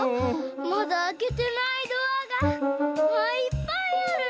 まだあけてないドアがいっぱいあるのに！